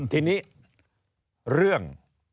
ทีนี้เรื่อง